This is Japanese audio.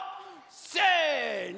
せの！